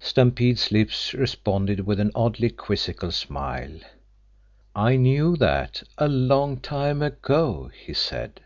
Stampede's lips responded with an oddly quizzical smile. "I knew that a long time ago," he said.